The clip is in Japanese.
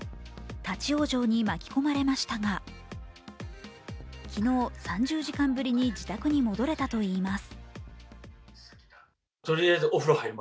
立往生に巻き込まれましたが、昨日、３０時間ぶりに自宅に戻れたといいます。